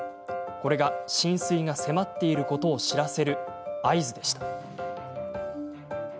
これが、浸水が迫っていることを知らせる合図でした。